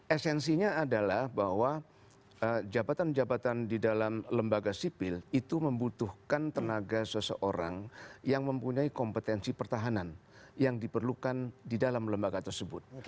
esensinya adalah bahwa jabatan jabatan di dalam lembaga sipil itu membutuhkan tenaga seseorang yang mempunyai kompetensi pertahanan yang diperlukan di dalam lembaga tersebut